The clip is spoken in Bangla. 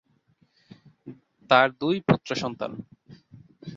তার দুই পুত্র সন্তান।